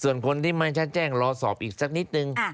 ส่วนคนที่ไม่ชัดแจ้งรอสอบอีกสักนิดนึง